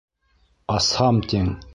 — Асһам тиң.